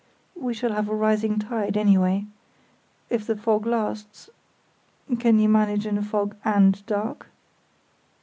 "We shall have a rising tide, anyway. If the fog lasts—can you manage in a fog and dark?"